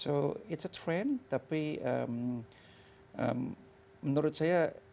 jadi itu adalah trend tapi menurut saya